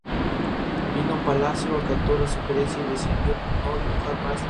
Lino Palacio acató la sugerencia y decidió no dibujar más la tira.